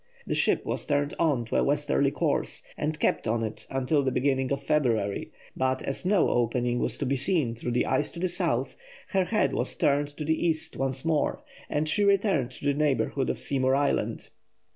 The ship was turned on to a westerly course and kept on it until the beginning of February, but as no opening was to be seen through the ice to the south, her head was turned to the east once more, and she returned to the neighbourhood of Seymour Island.